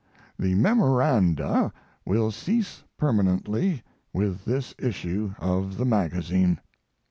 The "Memoranda" will cease permanently with this issue of the magazine.